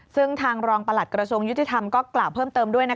ซึ่งทางรองประหลัดกระทรวงยุติธรรมก็กล่าวเพิ่มเติมด้วย